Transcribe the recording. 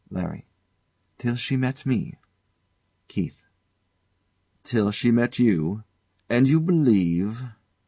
LARRY. Till she met me. KEITH. Till, she met you? And you believe